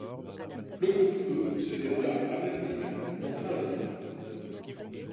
Le Groupe E se déroule à Hämeenlinna en Finlande.